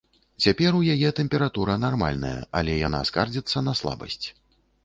Цяпер у яе тэмпература нармальная, але яна скардзіцца на слабасць.